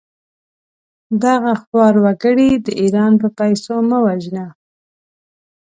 دغه خوار وګړي د ايران په پېسو مه وژنه!